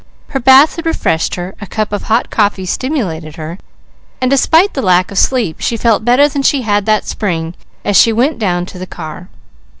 Her bath had refreshed her, a cup of hot coffee stimulated her, and despite the lack of sleep she felt better than she had that spring as she went down to the car.